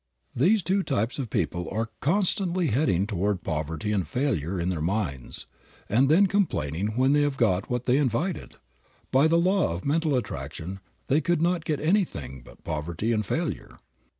These two are types of people who are constantly heading toward poverty and failure in their minds, and then complaining when they have got what they invited. By the law of mental attraction they could not get anything but poverty and failure.